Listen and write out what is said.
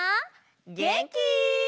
げんき？